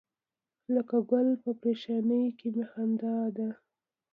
لکه ګل په پرېشانۍ کې می خندا ده.